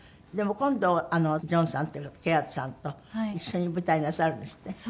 でも今度ジョンさんケアードさんと一緒に舞台なさるんですって？